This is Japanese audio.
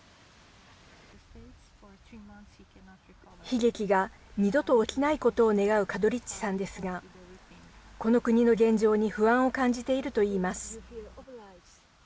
悲劇が二度と起きないことを願うカドリッチさんですがこの国の現状に不安を感じているといいます。